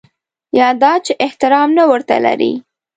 یا دا چې احترام نه ورته لري.